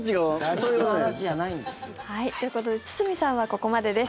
そういう話じゃないんですよ。ということで堤さんはここまでです。